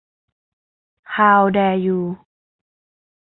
ฮาวแดร์ยู